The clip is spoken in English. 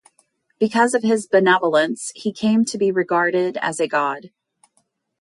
Because of his benevolence, he came to be regarded as a god.